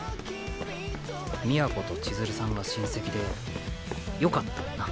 都と千鶴さんが親戚でよかったな。